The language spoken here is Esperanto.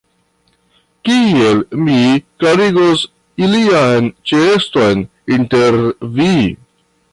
Kiel mi klarigos ilian ĉeeston inter vi?